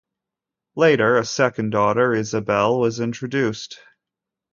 Later, a second daughter, Isabelle, was introduced.